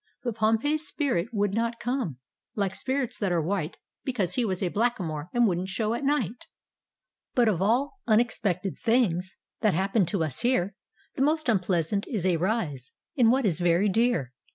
But Pompey's spirit would not come Like spirits that are white, Because he was a Blackamoor, And wouldn't show at night I D,gt,, erihyGOOgle The Haunted Hour But of all unexpected things That happen to us here, The most unpleasant is a rise In what is very dear.